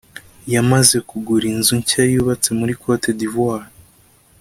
yamaze kugura inzu nshya yubatse muri Cote d’ivoire